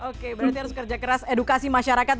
oke berarti harus kerja keras edukasi masyarakat